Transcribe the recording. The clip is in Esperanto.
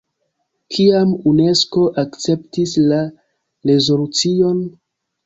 Kiam Unesko akceptis la rezolucion?